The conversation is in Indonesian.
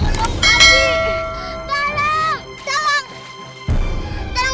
ya allah gimana ya allah